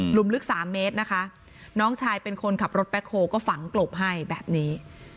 มลึกสามเมตรนะคะน้องชายเป็นคนขับรถแบ็คโฮก็ฝังกลบให้แบบนี้